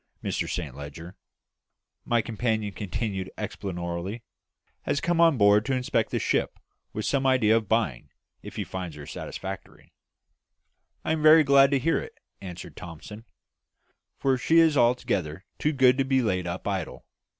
Mr Saint Leger," my companion continued explanatorily, "has come on board to inspect the ship, with some idea of buying, if he finds her satisfactory." "I am very glad to hear it," answered Thomson, "for she is altogether too good to be laid up idle.